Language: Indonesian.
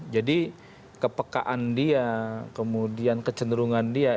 kepekaan dia kemudian kecenderungan dia